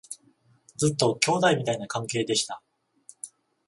ずっと兄弟みたいな関係でした